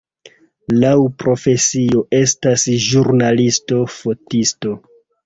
Laŭ profesio estas ĵurnalisto-fotisto.